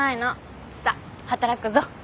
さあ働くぞ。